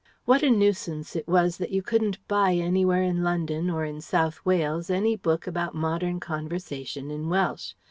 What a nuisance it was that you couldn't buy anywhere in London or in South Wales any book about modern conversation in Welsh.